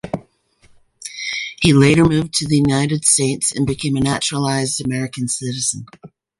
He later moved to the United States, and became a naturalized American citizen.